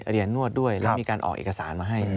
เรียนนวดด้วยแล้วมีการออกเอกสารมาให้